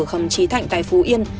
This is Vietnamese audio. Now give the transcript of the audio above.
khẩm trí thảnh tại phú yên